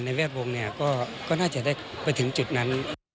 แวดวงเนี่ยก็น่าจะได้ไปถึงจุดนั้น